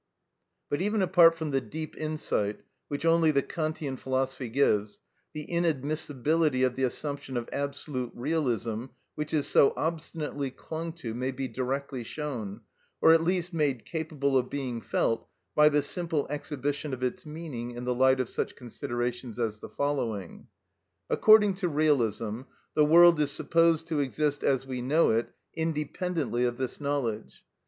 But even apart from the deep insight, which only the Kantian philosophy gives, the inadmissibility of the assumption of absolute realism which is so obstinately clung to may be directly shown, or at least made capable of being felt, by the simple exhibition of its meaning in the light of such considerations as the following. According to realism, the world is supposed to exist, as we know it, independently of this knowledge.